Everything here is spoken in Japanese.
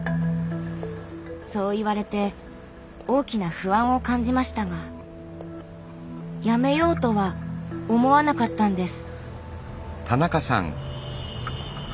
そう言われて大きな不安を感じましたがやめようとは思わなかったんです。